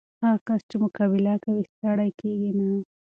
هغه کس چې مقابله کوي، ستړی کېږي نه.